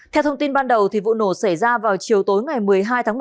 theo thông tin ban đầu vụ nổ xảy ra vào chiều tối một mươi hai tháng